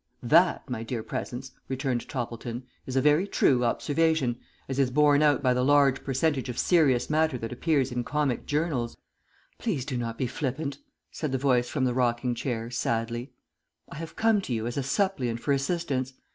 "That, my dear Presence," returned Toppleton, "is a very true observation, as is borne out by the large percentage of serious matter that appears in comic journals." "Please do not be flippant," said the voice from the rocking chair, sadly. "I have come to you as a suppliant for assistance.